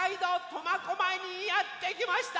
苫小牧にやってきました！